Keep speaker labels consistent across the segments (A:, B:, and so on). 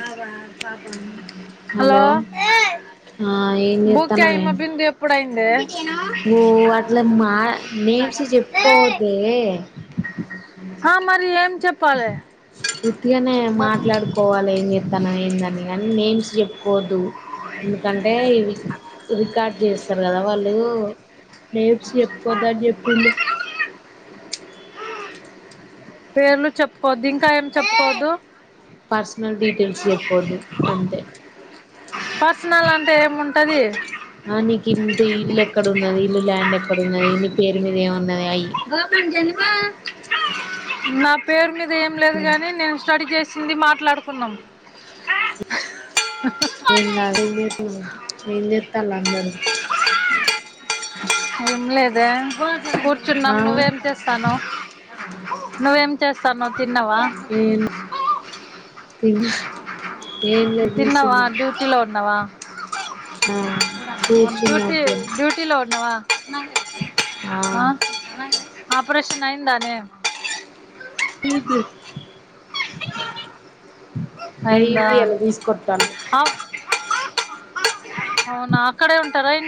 A: బాబా పాప హలో
B: ఆ ఏం
A: బుక్
B: చేత్తన్నవే
A: అయమా బిందు ఎప్పుడైంది తే ఏనా
B: ఓ అట్లా మా నేమ్స్
A: థాయ్
B: చెప్పుకోవద్దే
A: హ మరి ఏం చెప్పాలి
B: ఉతిగానే మాట్లాడుకు చెప్పుకోవాలి ఏం చెస్తాన ఏ దాన్ని కానీ నేమ్స్ చెప్పుకోవద్దు ఎందుకంటే ఇవి రికార్డ్ చేస్తారు కదా వాళ్ళు నేమ్స్ చెప్పుకోవద్ అని చెప్పిళ్ళు
A: పేర్లు చెప్పుకోవద్దు ఇంకా ఏం చెప్పుకోదు
B: పర్సనల్ డీటెయిల్స్ చెప్పద్దు అంతే
A: పర్సనల్ అంటే ఏముం టది
B: ఆ నీకు ఇంత ఇల్లు ఎక్కడన్నది ఇల్లు ల్యాండ్ ఎక్కడన్నది నీ పేరు మీద ఏమన్నా
A: వా పని జనివా నా పేరు మీ ఏం లేదు కానీ నేను స్టడీ చేసింది మార్ మాట్లాడుకున్నాం
B: ఎ నందతల్ ఏం జైతలు అందరూ
A: ఏం లేదే కూర్చున్నాం
B: ఆ
A: నువ్వేం చేస్తాను నువే ఎం చేస్తాను తిన్నావా
B: ఏం తిన్నా ఏం లేదు
A: తిన్నవా
B: కూసున్నా
A: డ్యూటీలో అన్నవా
B: ఆ కూర్చనా ఉత్తగానే
A: నవ ఆ ఆపరషన్ అయిందానేే
B: ఏందీ
A: అయిందా
B: అయింది అలా తీసుకొతాలు
A: అవ్- అవునా అక్కడే ఉంటారా ఇం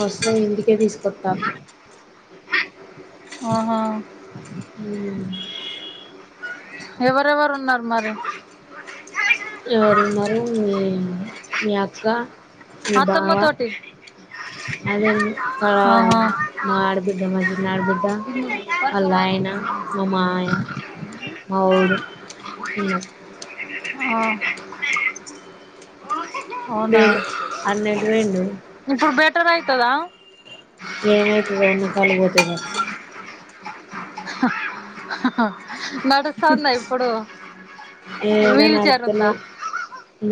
B: వస్తారు ఇంటికే తీసుకొ త్త
A: ఆహా
B: ఉ
A: ఎవరెవరు ఉన్నారు మరి
B: ఎవరున్నారు మీ మీ అక్క నీ
A: అత్తమ్మ
B: బావ
A: తోటి
B: అదే
A: ఆహా
B: మా ఆడబిడ్డ మా చిన్న ఆడబిడ్డ వాళ్ళ ఆయన మా మామయ్య మావోడు ఉన్నారు
A: ఆ అవునా
B: లేడు అన్న ఎటు పోయిండు
A: ఇప్పుడు బెటర్ ఐతదా
B: ఏమైతుందో ఉన్న కళ్ళు పోతాయిగావొచ్చు
A: హ హ హ నడుస్తాందా ఇప్పుడు
B: ఏడ
A: వీల్ చైర్ ఉందా
B: నడతలేదు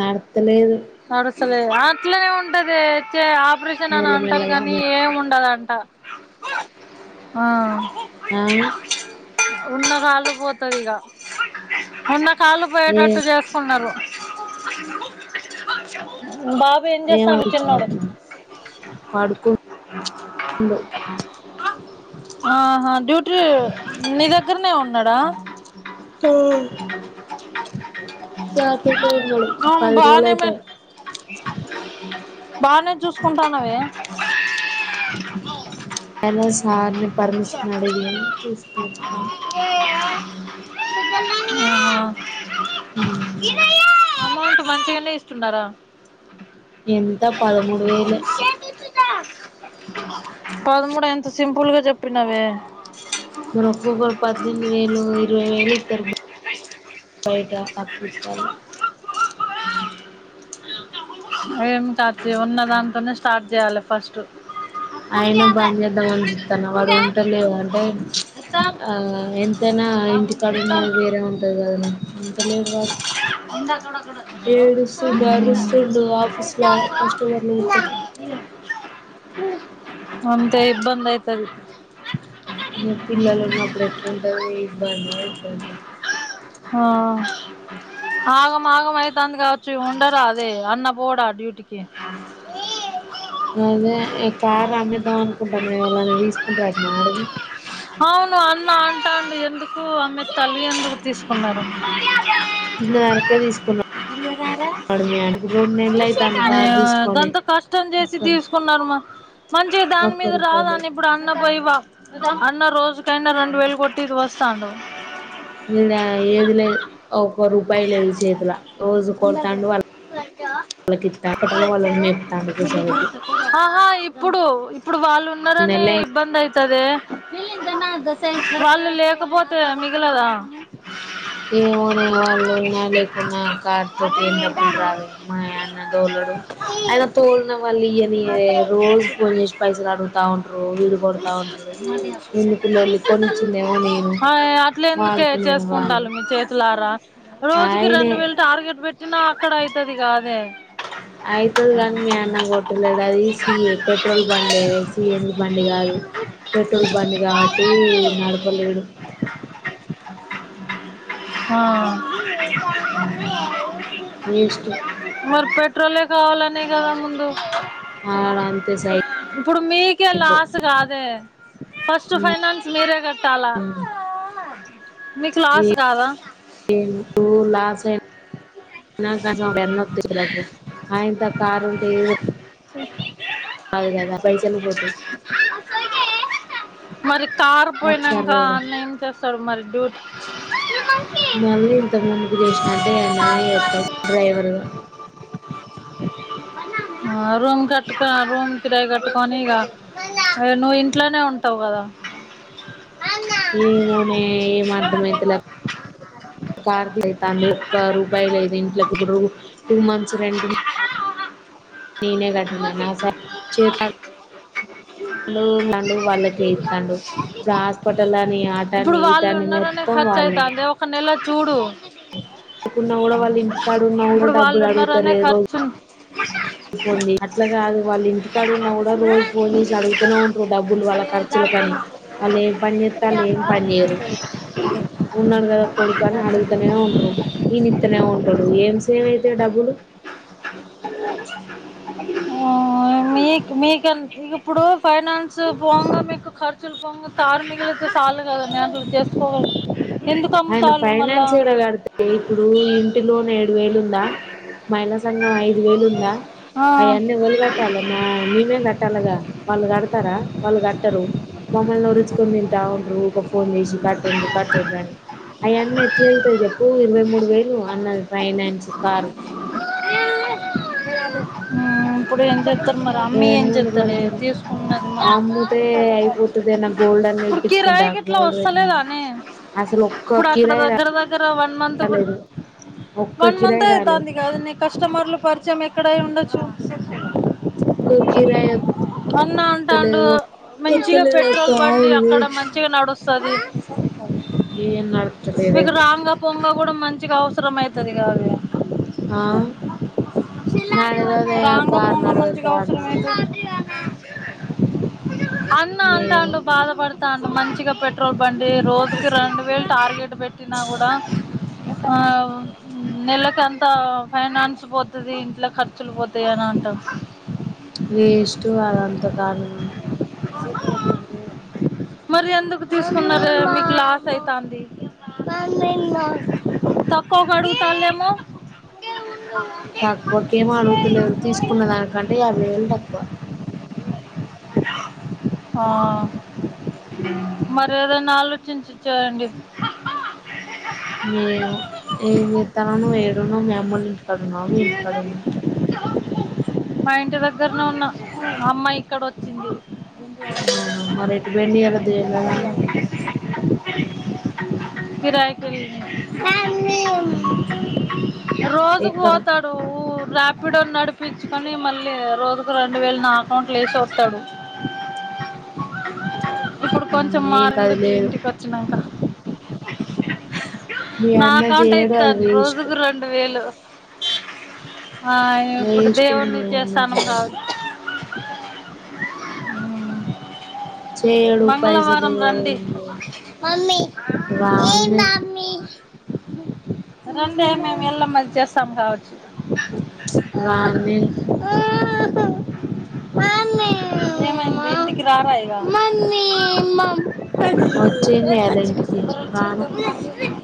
B: నడతలేదు
A: నాడస్ అసలే అట్లోనే ఉంటది చె ఆపరేషన్ అని అంటారు
B: మెల్లమెల్లగా
A: కానీ ఏం ఉండా అ ఆ
B: ఆ
A: ఉన్న రాళ్లు పోతంది ఇక ఉన్న కాళ్ళు
B: ఏ
A: పోయేటట్టు చేసుకున్నారు [inaudible] [inaudible] బాబు ఏం చేస్తాను చిన్నోడు
B: పడుకుండు
A: ఆహా డ్యూటీ నీ దగ్గరనే ఉ ఉన్నాడా
B: ఆ నా తోటే ఉన్నాడు
A: ఆ
B: పది రోజులు
A: బానే మే
B: అయితంది
A: బాగానే చూసుకుంటానవి
B: అ సార్ పర్మిషన్ అడిగి తీసుకొస్తా
A: ఆహ అమౌంట్ మంతగానే చున్నారా
B: ఎంత పదమూడు వేలే
A: [inaudible] పదమూడు ఎంత సింపుల్గా చెప్పినవే
B: మరి ఒక్కొక్కరు పద్దెనిమిది వేలు ఇరవై వేలు ఇస్తారు బయట తకు చాలు
A: ఏమిటార్ ఉన్న దాంట్నే స్టార్ట్ చేయాలి ఫస్ట్
B: అయినా బంద్ చేద్దామని చూత్తానా వాడు ఉంటలేవు అంటే ఆ ఎంతైనా
A: బాబు
B: ఇంటి
A: మొత్తం
B: కాడున్నది వేరే ఉంటది కదని ఉంటలేడు వాడు
A: నిండా అక్కడక్కడ తిన్నారు
B: ఏడుస్తుండు అరుస్తుండు ఆఫీస్ ల కస్టమర్లు కూర్చుంటే
A: అంతే ఇబ్బంది ఐతది
B: [inaudible] పిల్లలున్నప్పుడు ఎట్లుంటది ఇబ్బందైతది
A: ఆగం ఆగం అయితాంది కావచ్చి ఉండరాదే అన్న పోడా డ్యూటికి
B: అదే ఈ కారు అమ్మేద్దాం అనుకుంటానాం ఎవళన్నా తీసుకుంటారటమే అడుగు
A: [inaudible] ఎందుకు అమె తల్లి ఎందుకు తీసుకున్నారు
B: తిన్నదరక్క తీసుకున్న [inaudible] మీ ఆయన రెండు నెల్
A: [inaudible] దంతా కష్టం చేసి
B: ఒక్క
A: తీసుకున్నారు మా మంచిగా దాని
B: ఒక్క
A: మీద
B: రూపాయి
A: రాదాని
B: లేదు
A: ఇప్పుడు అన్న పోయ బ అన్న రోజు టన్న రెండు వేలు కొట్టిర్రు వస్తాండు
B: ఈడ ఏది లేదు ఒక రూపాయి లేదు చేతిల రోజూ కొడతాండు వాళ్ళ వాళ్ళకిత్తా పెట్రోల్ వాళ్ళను మేపుతాండు కూసోబెట్టి
A: ఆహా ఇప్పుడు ఇప్పుడు వాళ్ళు ఉన్నారని
B: నెలై
A: ఇబ్బందై తదే వాళ్ళు లేకపోతే మిగలదా
B: ఏవోనే వాళ్ళున్నా లేకున్నా కార్ తోటి ఏం డబ్బులు రావే మా ఆ యన్న తోలడు అయినా తోలిన వాళ్ళు ఇయ్యనియ్యరే రోజు ఫోన్ చేసి పైసలు అడుగుతా ఉంటారు [inaudible] కొడతా ఉంటారు ముందుకుల్లోళ్ళి కొనిచ్చిందేమో నేను వాడు
A: చేసుకుంటాళ్ళు మీ చేతులార రోజుకి
B: ఆయనే
A: రెండు వేలు టార్గెట్ పెట్ చినా అక్కడ ఇయితది కాదు దే
B: అయితది కానీ మీ అన్న కొట్టలేడు అది సి ఏ పెట్రోల్ బండి సి ఎన్ జి బండి కాదు పెట్రోల్ బండి కాబట్టి నడపలేడు
A: ఆ
B: వేస్టు
A: మరి పెట్రోలే కావాలనే కదా ముందు
B: ఆడంతే
A: ఇప్పుడు మీకే
B: సైకో
A: లాస్ కాదె ఫస్ట్ ఫైనాన్స్ మీరే గట్
B: [inaudible]
A: మీకు లాస్ కాదా
B: తీసుకురాపో ఆయంత కారు ఉంటే ఏదో
A: సె
B: కాదు కదా పైసలు పోతాయి
A: మరి కారు
B: లక్ష
A: పోయినాక
B: యాభైవేలు
A: అన్న ఏం చేస్తాడు మరి డ్యూటీ
B: మళ్ళీ ఇంత ముందుకు చేసినాటే [unintelligible] కూడా డ్రైవర్ [unintelligible]
A: హ రూమ్ కట్టుకో రూమ్ కిరాయి కట్టుకొని ఇగా అ నువ్వు ఇంట్లోనే ఉంటావు కదా
B: ఏమోనే ఏమర్ధమయితేల ఆకలి అయితాంది ఒక్క రూపాయ లెదు ఇంట్లోకి ఒక రూ టూ మంత్స్ రెంట్ నేనే కట్టినా నా స చేతాండు తాండు వాళ్ళకే ఇత్తాండు ఇప్పుడు హాస్పిటల్ అని ఆట
A: ఇప్పుడు
B: అని ఈట
A: వాళ్ళు
B: అని
A: ఉన్నారనే
B: మొత్తం
A: ఖర్చు అయితాందే ఒక నెల వ చూడు
B: తకున్న వాళ్ళ ఇంటి కాడ [unintelligible]
A: ఇప్పుడు వాళ్ళు ఉన్నారా అనే ఖర్చు
B: ఫోన్ చే అట్లాగా కాదు వాళ్ళు ఇంటి కాడ వున్న కూడా రోజు ఫోన్ చేసి అడుగుతూనే ఉంటారు డబ్బులు వాళ్ళ ఖర్చుల కాని వాళ్ళు ఏం పని చేత్తండ్రు వాళ్ళు ఏం పని చేయరు ఉన్నాడు కదా కొడుకు అని అడుగుతూనే ఉంట్రు ఈయన ఇస్తానే ఉంటడు ఏం ఏమేతాయి డబ్బులు
A: ఓ మీక్ మీ కెంత ఉంది ఇప్పుడు ఫైనాన్స్ పోంగ మీకు ఖర్చులు పోంగ కార్ మిగిలేతే చాలు కాదు మే నువ్వు చేసుకోగలుగు
B: ఆయన ఫైనాన్స్ ఒక్కటే కడితే ఇప్పుడు ఇంటి లోన్ ఏడు వేలుందా మహిళ సంఘం ఐదు వేలుందా అవి
A: ఆ
B: అన్నీ ఎవలు కట్టాలే మా మేమే కట్టాలగా వాళ్ళు కడతారా వాళ్ళు కట్టరు మమ్మల్ని ఉరించుకుని తింటా ఉండ్రు ఫోన్ చేసి కట్టుండ్రి కట్టుండ్రి అని అయ్యన్ని ఎట్లు వెళ్తాయి చెప్పు ఇరవై మూడు వేలు అన్ని అయిపోయా బెంజ్ కార్
A: ఆ అంతలో ఎంత తెచ్చ
B: ఇవన్ని ఎవరు కడతారు ఆ అమ్ముతే
A: మరి
B: అయిపోతాది ఏవన్న గోల్డ్ అన్న
A: ఇప్పుడు
B: విడిపించుకుంటా
A: కిరాయికి ఇట్లా
B: గోల్డ్ పె
A: వస్తలేదానే
B: అసలు ఒక్క
A: ఇప్పుడు అక్కడ
B: కిరాయి
A: దగ్గర వన్ మంత్ కూడా
B: రాలేదు ఒక్క
A: వన్ మంత్
B: కిరాయి రాలేదు
A: అయితాంది కదా కస్టమర్లు పరిచయం అక్కడే ఉండొచ్చు గా
B: ఒక్క కిరాయి వ
A: అన్నా ఉంటాండు మంచిగా
B: వత్తలేదు అక్క
A: పెట్రోల్ బండి
B: అది
A: అక్కడ
B: వేస్ట్
A: మంచిగా నడుస్తు సరే
B: [inaudible]
A: నీకు రాంగా పొంగ కూడా మంచిగా అవసరం అయితాది కాదల్ల
B: ఆ నడవదే ఆ
A: రాంగా
B: కార్
A: పొంగా
B: నడవదు
A: మంచిగా
B: దారుణం
A: అవసరమైతే, అన్న
B: ఏమో
A: అంటాండు బాధ పడుతు తను మంచిగా పెట్రోల్ బండి రోజుకి రెండు వేలు టార్గెట్ పెట్టినా కూడా, ఆ నెలకెంతా ఫైనాన్స్ పోతు, తది ఇంట్లో ఖర్చులు పోతాయి, అని అంటాం
B: వెస్ట్ అదంతా కాలిన
A: మరి ఎందుకు తీసుకున్నారు మీకు లాస్ అయితాంది, తక్కువకి అడుగుతరెమో,
B: తక్కువకేమి అడుగుతలేదు తీసుకున్న దానికంటే యాభై వేలు తక్కువ,
A: ఆ మరి వేరే నా చిచ్చిన్ చిచ్చేయండి,
B: నేను ఏం చేతనవ్ నువ్వు ఏడ ఉన్నావు, మీ అమ్మ వాళ్ల ఇంటికా
A: [unintelligible] మా ఇంటి దగ్గరనే ఉన్న అమ్మ ఇక్కడ వచ్చింది.
B: అవునా మరి ఎటు పోయిండు ఇయాలా దొరణాల అన్న,
A: కిరాయికి వేలిండు, రోజు
B: ఎక్కడ
A: బోతు రాయాపిడో నడిపిచుకొన్ని మళ్ళీ రోజుకు రెండు వేలు నా అకౌంట్లు వేసి వస్తాడు, ఇప్పుడు కొంచెం
B: ఏం
A: మారిండు తియ్
B: కదిలేదు
A: ఇంటికి వచ్చినాక,
B: మీ
A: [unintelligible] నా
B: అన్న
A: అకౌంట్
B: చేయడు అది
A: ఎతండు
B: వేస్ట్
A: రోజుకు రెండు వేలు, [unintelligible] ఆ ఇప్పుడు
B: వేస్ట్ మీ
A: దేవుణ్ణి
B: అన్న
A: చేస్తానం, కా
B: చేయడు చేయడు పైసలు
A: మంగళవారం రండి,
B: రాను
A: రండి మేము ఎల్లమ్మకి చేస్తాం కావచ్చు,
B: మారని
A: [unintelligible] [unintelligible] ఆ,
B: వచ్చిండనే ఇంటికి బావ
A: [unintelligible] [unintelligible]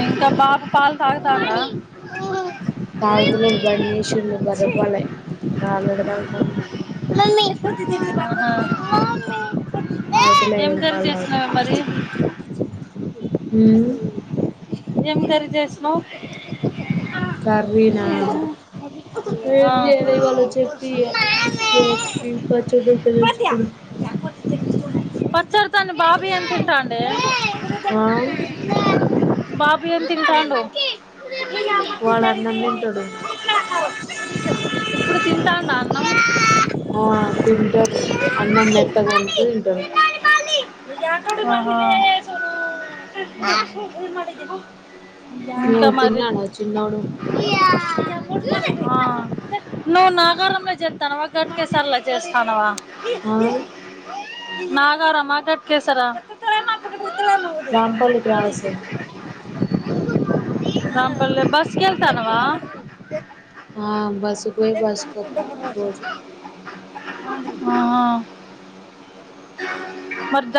A: ఇంకా పాప పాలు తాగుతాందా,
B: తాగుతలేదు బంచేసి, అన్ని బర్రె పాలే బాలేడ తాగుతాం
A: ఆ
B: తాగుతలే
A: ఏం కర్రి
B: పాలు తాగుత
A: చేస్తున్నావ్ మరి
B: ఉమ్
A: ఏం కర్రి చేసినావ్
B: కర్రీ నా
A: ఆ.
B: ఎం చేయలే ఇవాళా చట్నీ ఎ చెత్తి పచ్చడి ఉంటే
A: పత్యా
B: తెచ్చుకున్నాం
A: మావి అంతే
B: ఆ
A: బాబు ఏం తింటాండు మూర్తి
B: వాడు అన్నం తింటాడు
A: జారిదక్కడా ఇప్పుడు తింటాండా అన్నం
B: ఆ తింటాడు అన్నం మెత్తగా వండితే తింటాడు
A: ఆహా ఏ మదవా ఇంక
B: నువ్వు
A: మరి
B: తిన్నావా చిన్నోడు
A: అ ఆ నువ్ నాగారంలో చెత్తనావ గట్కేశర్లో చేస్తానవా ఏ
B: ఆ
A: నాగరా market Keesara
B: Rampally cross
A: Rampalle bus కెళ్తాన్నవా
B: ఆ బస్సు కు పోయి బస్ కొత్తా రోజు
A: ఆ మరి